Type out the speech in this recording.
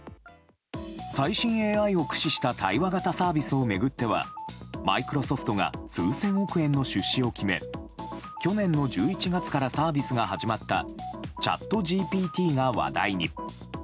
最新ＡＩを駆使した対話型サービスを巡ってはマイクロソフトが数千億円の出資を決め去年の１１月からサービスが始まったチャットＧＰＴが話題に。